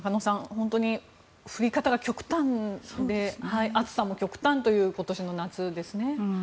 本当に降り方も極端で暑さも極端という今年の夏ですね。